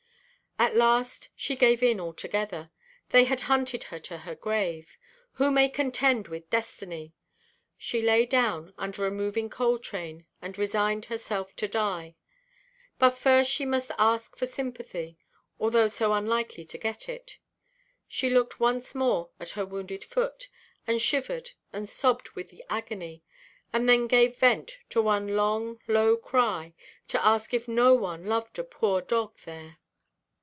At last, she gave in altogether. They had hunted her to her grave. Who may contend with destiny? She lay down under a moving coal–train, and resigned herself to die. But first she must ask for sympathy, although so unlikely to get it. She looked once more at her wounded foot, and shivered and sobbed with the agony; and then gave vent to one long low cry, to ask if no one loved a poor dog there.